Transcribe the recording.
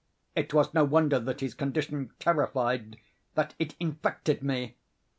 It was no wonder that his condition terrified—that it infected me.